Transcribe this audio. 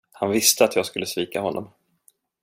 Han visste att jag skulle svika honom.